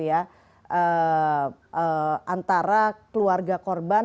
antara keluarga korban